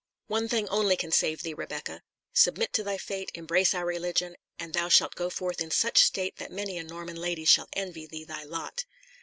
One thing only can save thee, Rebecca. Submit to thy fate, embrace our religion, and thou shalt go forth in such state that many a Norman lady shall envy thee thy lot."